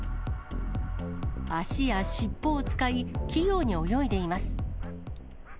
足や尻尾を使い、器用に泳いでいます。